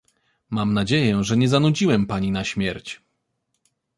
Mam nadzieję, że nie zanudziłem pani na śmierć.